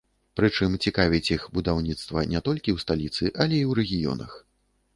Прычым цікавіць іх будаўніцтва не толькі ў сталіцы, але і ў рэгіёнах.